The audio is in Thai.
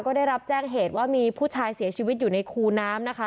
ก็ได้รับแจ้งเหตุว่ามีผู้ชายเสียชีวิตอยู่ในคูน้ำนะคะ